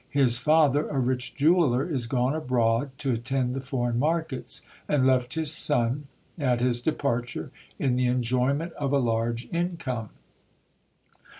His father, a rich jeweller, is gone abroad, to attend the foreign markets, and left his son, at his departure, in the enjoyment of a large income.